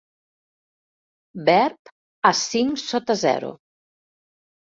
Verb a cinc sota zero.